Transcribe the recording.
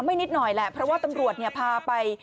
นิดหน่อยแหละเพราะว่าตำรวจเนี่ยพาไป